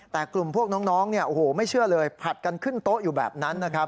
แต่กลุ่มพวกน้องไม่เชื่อเลยผลัดกันขึ้นโต๊ะอยู่แบบนั้น